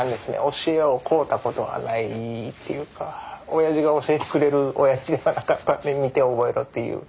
教えを請うたことはないっていうかおやじが教えてくれるおやじではなかったんで見て覚えろっていう。